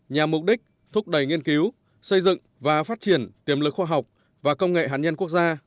nhằm mục đích thúc đẩy nghiên cứu xây dựng và phát triển tiềm lực khoa học và công nghệ hạt nhân quốc gia